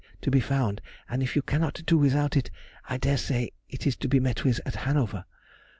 to be found, and if you cannot do without it, I dare say it is to be met with at Hanover....